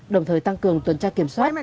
đồng thời tăng cường tuần tra kiểm soát